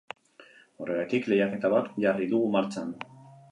Horregatik lehiaketa bat jarri dugu martxan.